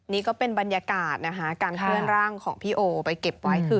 นี่ก็เป็นบรรยากาศนะคะการเคลื่อนร่างของพี่โอไปเก็บไว้คือ